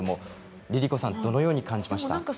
ＬｉＬｉＣｏさんどのように感じましたか？